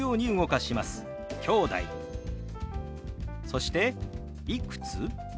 そして「いくつ？」。